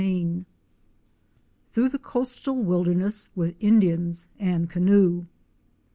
CHAPTER VI. THROUGH THE COASTAL WILDERNESS WITH INDIANS AND CANOE.